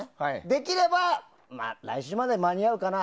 できれば来週までに間に合うかな？